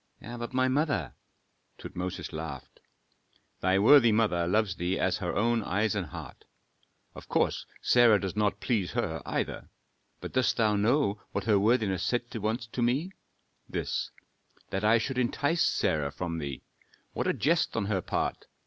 "But my mother?" Tutmosis laughed. "Thy worthy mother loves thee as her own eyes and heart. Of course Sarah does not please her, either, but dost thou know what her worthiness said once to me? This, that I should entice Sarah from thee. What a jest on her part!